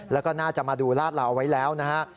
แล้วก็น่าจะมาดูลาดเหลาเอาไว้แล้วนะฮะ